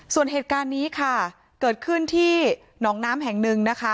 ส่วนเหตุการณ์นี้ค่ะเกิดขึ้นที่หนองน้ำแห่งหนึ่งนะคะ